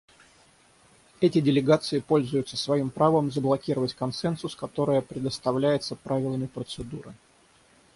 Эти делегации пользуются своим правом заблокировать консенсус, которое предоставляется Правилами процедуры.